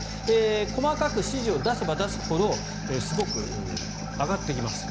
細かく指示を出せば出すほどすごく上がっていきます